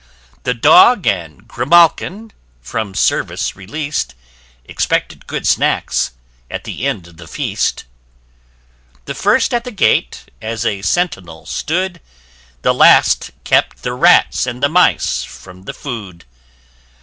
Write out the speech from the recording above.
The Dog and Grimalkin from service releas'd, Expected good snacks, at the end of the feast: The first at the gate, as a centinel stood; The last kept the Rats and the Mice from the food.